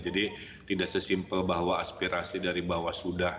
jadi tidak sesimpel bahwa aspirasi dari bawah sudah